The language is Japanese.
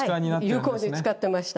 有効に使ってました。